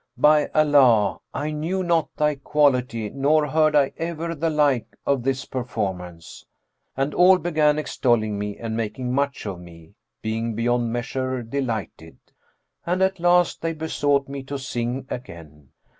By Allah, I knew not thy quality nor heard I ever the like of this performance!' And all began extolling me and making much of me, being beyond measure delighted' and at last they besought me to sing again.